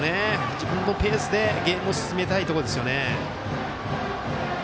自分のペースでゲームを進めたいところですよね。